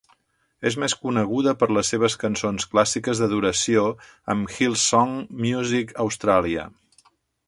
És més coneguda per les seves cançons clàssiques d'adoració amb Hillsong Music Australia.